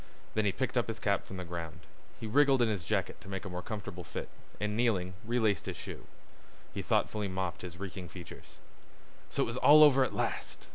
Then he picked up his cap from the ground. He wriggled in his jacket to make a more comfortable fit, and kneeling relaced his shoe. He thoughtfully mopped his reeking features. So it was all over at last!